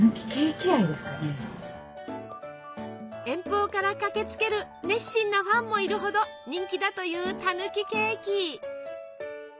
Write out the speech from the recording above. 遠方から駆けつける熱心なファンもいるほど人気だというたぬきケーキ。